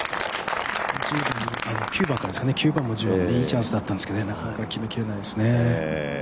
９番１０番といいチャンスだったんですけどなかなか決めきれないですね。